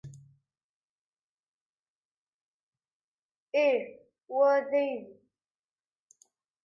Ih, wa d aydi.